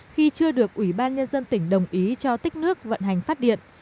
khi chưa được ủy ban nhân dân tỉnh đồng ý cho tích nước vận hành phát điện